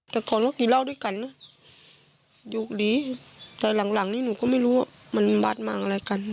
แต่ก่อนก็กินเหล้าด้วยกันนะอยู่ดีแต่หลังหลังนี้หนูก็ไม่รู้ว่ามันบาดมังอะไรกัน